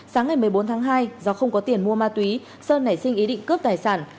sáng ngày một mươi bốn tháng hai do không có tiền mua ma túy sơn nảy sinh ý định cướp tài sản